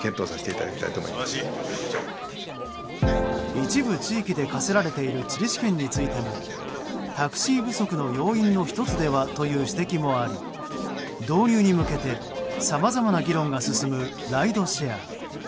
一部地域で課せられている地理試験についてもタクシー不足の要因の１つではという指摘もあり、導入に向けてさまざまな議論が進むライドシェア。